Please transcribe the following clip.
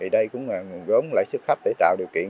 đây cũng là một nguồn vốn lãi suất khắp để tạo điều kiện